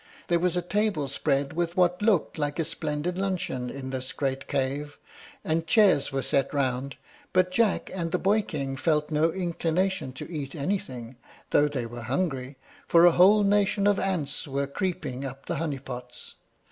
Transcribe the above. There was a table spread with what looked like a splendid luncheon in this great cave, and chairs were set round, but Jack and the boy king felt no inclination to eat anything, though they were hungry, for a whole nation of ants were creeping up the honey pots.